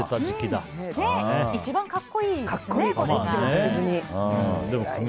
一番格好いいですね。